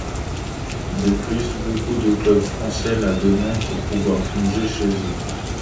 De plus, beaucoup de clubs français la demandent pour pouvoir plonger chez eux.